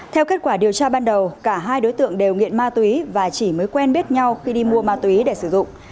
theo kết quả điều tra ban đầu cả hai đối tượng đều nghiện ma túy và chỉ mới quen biết nhau khi đi mua ma túy để sử dụng